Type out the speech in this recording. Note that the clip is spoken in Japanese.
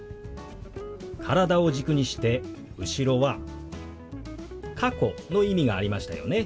体を軸にして後ろは「過去」の意味がありましたよね。